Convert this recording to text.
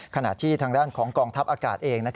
ขณะที่ทางด้านของกองทัพอากาศเอง